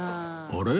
あれ？